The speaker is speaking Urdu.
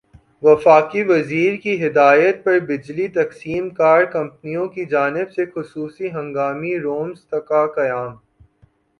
وفاقی وزیر کی ہدایت پر بجلی تقسیم کار کمپنیوں کی جانب سےخصوصی ہنگامی رومز کا قیام